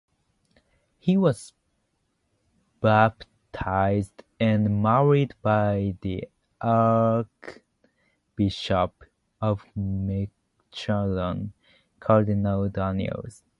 He was baptised and married by the Archbishop of Mechelen, Cardinal Danneels.